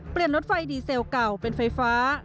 รถไฟดีเซลเก่าเป็นไฟฟ้า